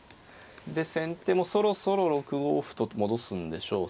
で先手もそろそろ６五歩と戻すんでしょう